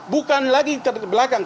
bukan lagi belakang